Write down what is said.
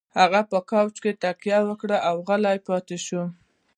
هغې په کاوچ کې تکيه وکړه او غلې پاتې شوه.